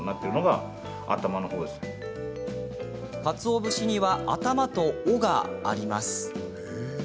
かつお節には頭と尾があります。